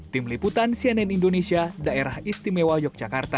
tim liputan cnn indonesia daerah istimewa yogyakarta